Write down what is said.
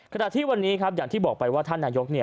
ขนาดที่วันนี้อยากที่บอกไปว่าท่านนายก